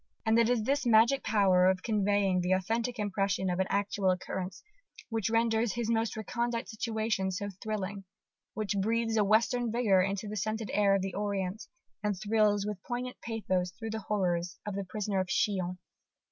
And it is this magic power of conveying the authentic impression of an actual occurrence, which renders his most recondite situations so thrilling, which breathes a Western vigour into the scented air of the Orient, and thrills with poignant pathos through the horrors of the Prisoner of Chillon.